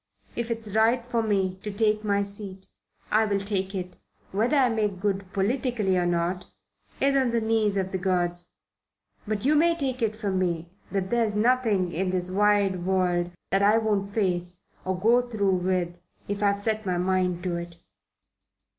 If it's right for me to take my seat I'll take it whether I make good politically, or not, is on the knees of the gods. But you may take it from me that there's nothing in this wide world that I won't face or go through with, if I've set my mind to it."